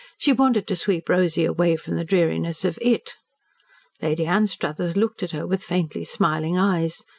She wanted to sweep Rosy away from the dreariness of "it." Lady Anstruthers looked at her with faintly smiling eyes.